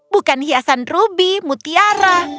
bukan hiasan rubi mutiara